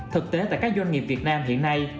thực tế tại các doanh nghiệp việt nam hiện nay